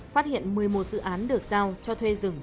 phát hiện một mươi một dự án được giao cho thuê rừng